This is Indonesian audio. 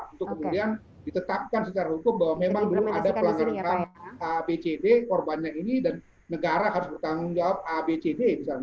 untuk kemudian ditetapkan secara hukum bahwa memang belum ada pelanggaran abcd korbannya ini dan negara harus bertanggung jawab abcd misalnya